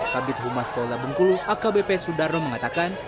kabit humas polda bengkulu akbp sudarno mengatakan